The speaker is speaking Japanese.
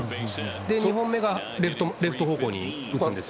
２本目がレフト方向に打つんですよ。